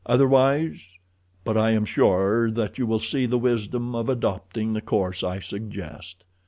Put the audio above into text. Otherwise—but I am sure that you will see the wisdom of adopting the course I suggest.